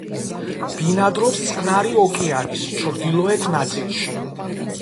ბინადრობს წყნარი ოკეანის ჩრდილოეთ ნაწილში.